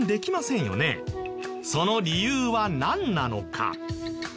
その理由はなんなのか？